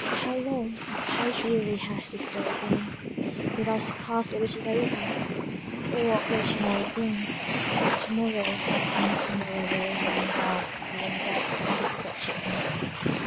How long, how dreary has this day been; yet I scarcely wish it over for what will to morrow bring to morrow, and to morrow will only be marked with unvaried characters of wretchedness.